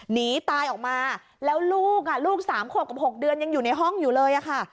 หนีตายออกมาแล้วลูกลูก๓ขวบกับ๖เดือนยังอยู่ในห้องอยู่เลยค่ะ